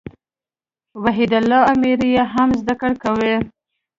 وحيدالله اميري ئې هم زده کوي.